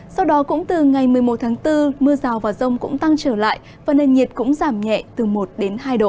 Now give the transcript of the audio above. sau đó cũng từ ngày một mươi một tháng bốn mưa rào và rông cũng tăng trở lại và nền nhiệt cũng giảm nhẹ từ một đến hai độ